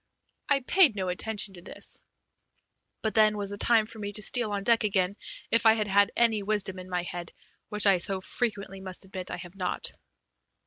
I paid no attention to this, but then was the time for me to steal on deck again if I had had any wisdom in my head, which I so frequently must admit I have not.